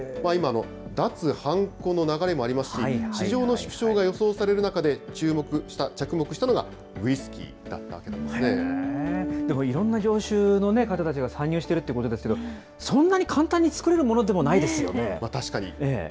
今、脱はんこの流れもありますし、市場の縮小が予想される中で着目したのが、ウイスキーだったわけでもいろんな業種の方たちが参入しているということですけど、そんなに簡単に造れるものでもな確かに。